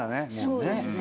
そうですね。